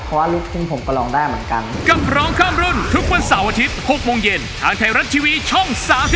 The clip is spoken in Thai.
เพราะว่าลูกทุ่งผมก็ลองได้เหมือนกัน